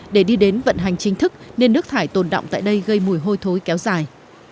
để đi đến vận hành chính thức nên nước thải tồn đọng tại đây gây mùi hôi thối kéo dài